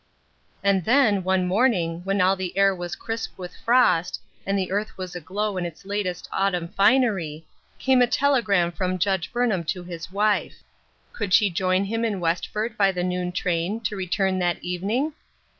And then, one morning, when all the air was crisp with frost, and the earth was aglow in its latest autumn finery, came a telegram from Judge Burnham to his wife. Could she join him in Westford by the noon train, to return that even ing